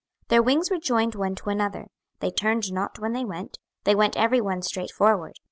26:001:009 Their wings were joined one to another; they turned not when they went; they went every one straight forward.